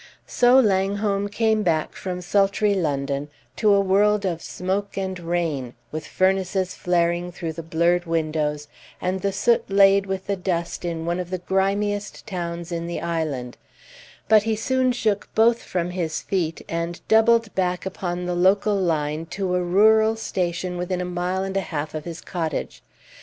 So Langholm came back from sultry London to a world of smoke and rain, with furnaces flaring through the blurred windows, and the soot laid with the dust in one of the grimiest towns in the island; but he soon shook both from his feet, and doubled back upon the local line to a rural station within a mile and a half of his cottage.